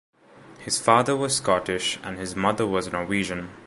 His father was Scottish and his mother was Norwegian.